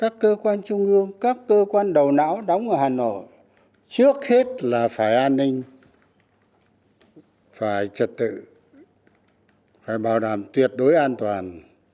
phải an ninh phải trật tự phải bảo đảm tuyệt đối an toàn